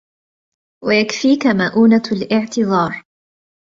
وَيَكْفِيكَ مَئُونَةَ الِاعْتِذَارِ